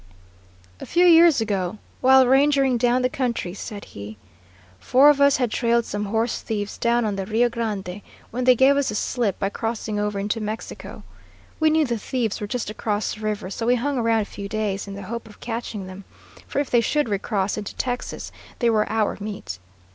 "A few years ago, while rangering down the country," said he, "four of us had trailed some horse thieves down on the Rio Grande, when they gave us the slip by crossing over into Mexico. We knew the thieves were just across the river, so we hung around a few days, in the hope of catching them, for if they should recross into Texas they were our meat.